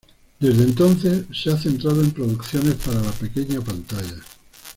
Desde entonces se ha centrado en producciones para la pequeña pantalla.